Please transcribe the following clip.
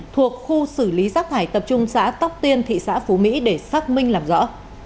thuộc khu xử lý rác thải tập trung xã tóc tiên thị xã phú mỹ để xác minh làm rõ